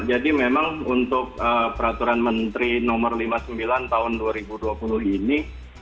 jadi memang untuk peraturan menteri nomor lima puluh sembilan tahun dua ribu dua puluh ini